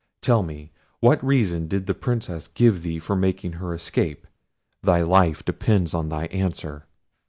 Tell me, what reason did the Princess give thee for making her escape? thy life depends on thy answer."